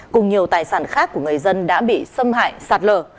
cùng nhiều tài sản khác của người dân đã bị xâm hại sạt lở